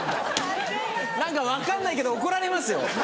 何か分かんないけど怒られますよ！